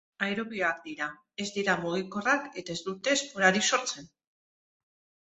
Aerobioak dira, ez dira mugikorrak eta ez dute esporarik sortzen.